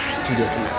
itu dia kena